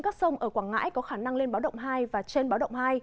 các sông ở quảng ngãi có khả năng lên báo động hai và trên báo động hai